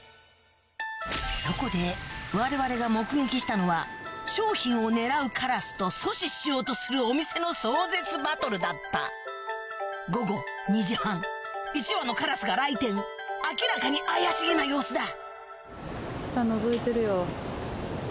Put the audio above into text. そこでわれわれが目撃したのは商品を狙うカラスと阻止しようとするお店の壮絶バトルだった午後２時半１羽のカラスが来店明らかに怪しげな様子だ